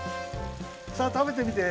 さあたべてみて。